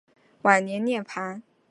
晚年涅盘。